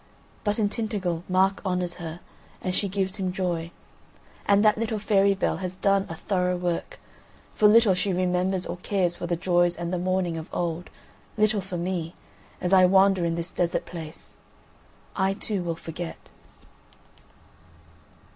But in Tintagel Mark honours her and she gives him joy, and that little fairy bell has done a thorough work; for little she remembers or cares for the joys and the mourning of old, little for me, as I wander in this desert place. I, too, will forget."